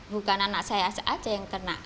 bukan anak saya saja yang kena